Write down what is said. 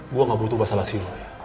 gua gak butuh bahasa lasi luar